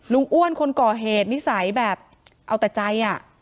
อ้วนคนก่อเหตุนิสัยแบบเอาแต่ใจ